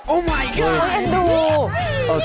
โอ้มายก็อด